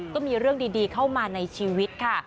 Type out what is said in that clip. ก็มีเรื่องดีเข้ามาในชีวิตค่ะ